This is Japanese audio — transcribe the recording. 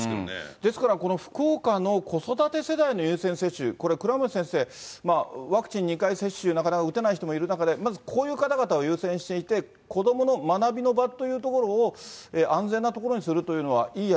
ですからこの福岡の子育て世代の優先接種、これ、倉持先生、ワクチン２回接種、なかなか打てない人もいる中で、まずこういう方々を優先していって、子どもの学びの場というところを安全な所にするというのはいいや